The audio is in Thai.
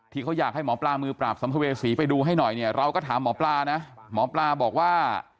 ที่เขาอยากให้หมอปลามือปราบสัมภเวษีไปดูให้หน่อยเนี่ยเราก็ถามหมอปลานะหมอปลาบอกว่า